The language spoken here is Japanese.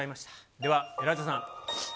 では、エライザさん。